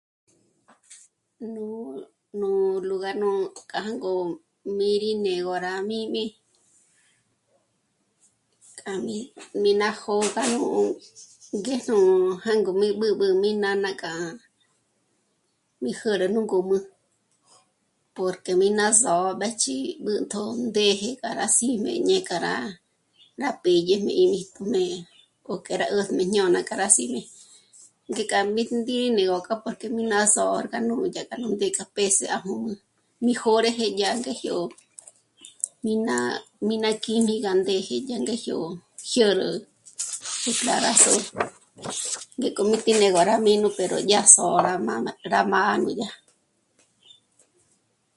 Nú... nú lugar nù k'a ngó mí rí né'egö rá mī́jm'i, k'a mí ná jó'o k'a nú... ngéjnú jângo mí b'ǚb'ü mí nána k'a mí jä̌rä nú ngǔm'ü porque mí ná zó'o mbéjch'i b'ûntjo ndéje k'a rá síjmé ñé k'a rá... nà pìdyi mí b'íjtujmé o k'e rá 'ä̀jt'ä mí jñôna k'a rá síjmé. Ngék'a mí ndí'i ndé gó k'â'a porque mí ná zó'o 'ôrga porque dyá k'a ndé nú pés'é à jǔm'ü mí jôrëjë yá ngéjyo mí ná'a... mí ná kíjmi gá ndéje yá ngéjyo jä̂rä de clara sol ngék'o mí tí né'e rá gó'o mí pero dyà nú zó'o rá... rá mâ'a núdyá